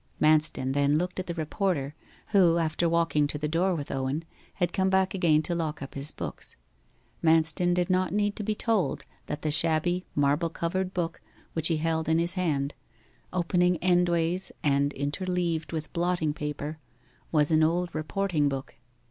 Manston then looked at the reporter, who, after walking to the door with Owen, had come back again to lock up his books. Manston did not need to be told that the shabby marble covered book which he held in his hand, opening endways and interleaved with blotting paper, was an old reporting book.